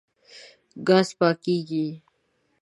ګاز پاکېږي.